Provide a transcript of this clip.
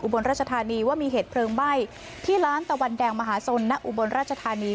บนรัชธานีว่ามีเหตุเพลิงไหม้ที่ร้านตะวันแดงมหาสนณอุบลราชธานี